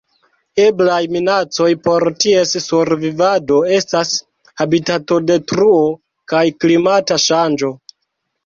Eblaj minacoj por ties survivado estas habitatodetruo kaj klimata ŝanĝo.